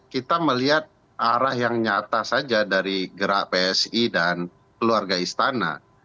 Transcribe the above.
kita melihat arah yang nyata saja dari gerak psi dan keluarga istana